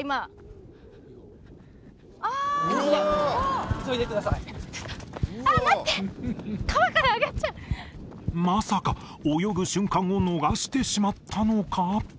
今まさか泳ぐ瞬間を逃してしまったのか？